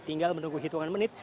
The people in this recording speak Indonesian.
tinggal menunggu hitungan menit